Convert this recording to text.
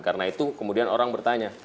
karena itu kemudian orang bertanya